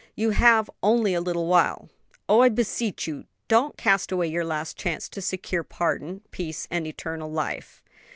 You have only a little while! Oh, I beseech you, don't cast away your last chance to secure pardon, peace and eternal life!"